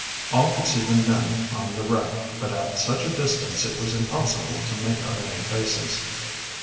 All could see the men on the wreck, but at such a distance it was impossible to make out any faces.